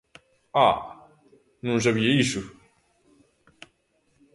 Ah, non sabía iso!